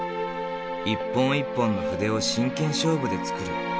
一本一本の筆を真剣勝負で作る。